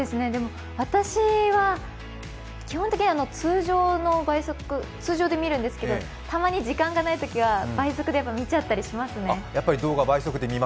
私は基本的に通常で見るんですけど、たまに時間がないときは倍速でやっぱり見ちゃったりしますね。